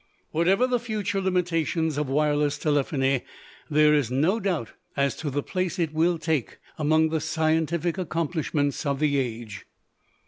Whatever the future limitations of wireless telephony, there is no doubt as to the place it will take among the scientific accomplishments of the age.